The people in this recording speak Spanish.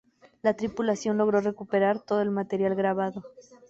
La tripulación logró recuperar todo el material grabado.